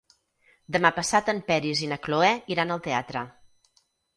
Demà passat en Peris i na Cloè iran al teatre.